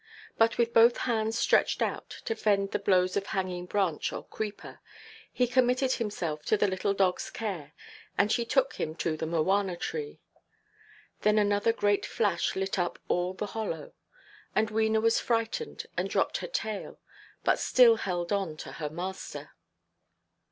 But with both hands stretched out, to fend the blows of hanging branch or creeper, he committed himself to the little dogʼs care, and she took him to the mowana–tree. Then another great flash lit up all the hollow; and Wena was frightened and dropped her tail, but still held on to her master.